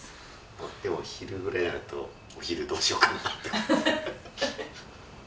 でも昼ぐらいになるとお昼どうしようかなって。